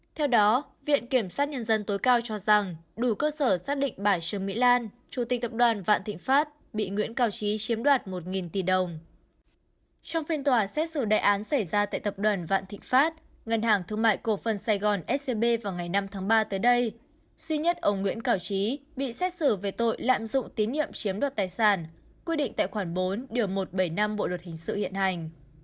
tại cổ phần sài gòn scb vào ngày năm tháng ba tới đây suy nhất ông nguyễn cảo trí bị xét xử về tội lạm dụng tín nhiệm chiếm đoạt tài sản quy định tại khoảng bốn một trăm bảy mươi năm bộ luật hình sự hiện hành